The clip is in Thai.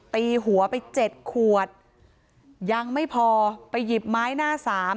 ตีหัวไปเจ็ดขวดยังไม่พอไปหยิบไม้หน้าสาม